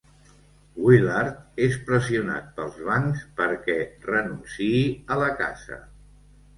Willard és pressionat pels bancs perquè renunciï a la casa.